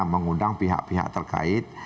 mengundang pihak pihak terkait